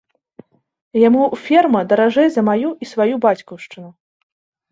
Яму ферма даражэй за маю і сваю бацькаўшчыну.